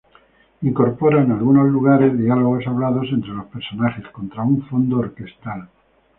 Incorpora en algunos lugares diálogos hablados entre los personajes, contra un fondo orquestal.